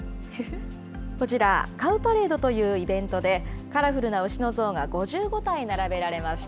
こちら、カウパレードというイベントで、カラフルな牛の像が５５体並べられました。